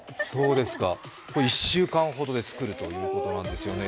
１週間ほどで作るということなんですよね。